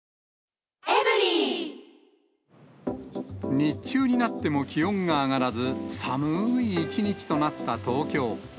日中になっても気温が上がらず、寒ーい一日となった東京。